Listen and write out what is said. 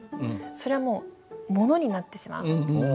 それはもう「もの」になってしまう。